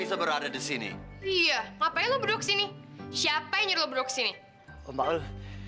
laura denger gak sih